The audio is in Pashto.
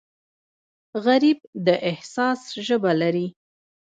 غریب د احساس ژبه لري